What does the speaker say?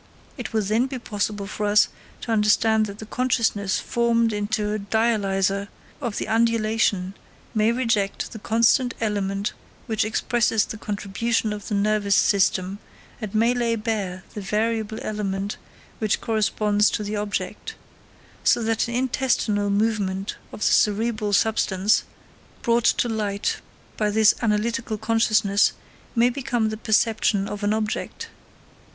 It will then be possible for us to understand that the consciousness formed into a dialyser of the undulation may reject that constant element which expresses the contribution of the nervous system, and may lay bare the variable element which corresponds to the object: so that an intestinal movement of the cerebral substance, brought to light by this analytical consciousness, may become the perception of an object.